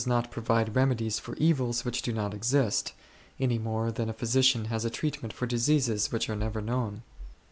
not provide remedies for evils which do not exist, any more than a physician has a treatment for diseases which are never known.